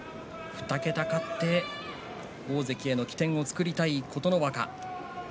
２桁勝って大関への起点を作りたい琴ノ若。